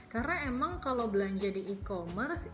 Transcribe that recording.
karena emang kalau belanja di e commerce